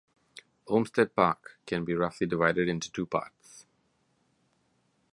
Olmsted Park can be roughly divided into two parts.